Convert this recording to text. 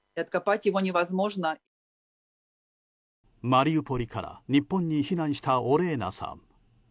マリウポリから日本に避難したオレーナさん。